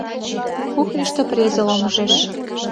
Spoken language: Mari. Кухньышто презе ломыжеш.